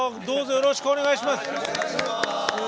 よろしくお願いします。